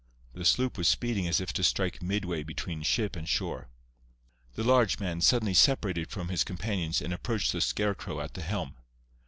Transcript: The sloop was speeding as if to strike midway between ship and shore. The large man suddenly separated from his companions and approached the scarecrow at the helm.